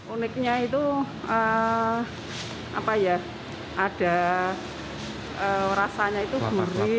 uniknya itu ada rasanya itu gurih